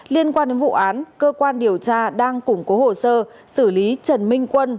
liên quan đến vụ án cơ quan điều tra đang củng cố hồ sơ xử lý trần minh quân